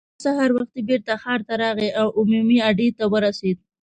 هغه سهار وختي بېرته ښار ته راغی او عمومي اډې ته ورسېد.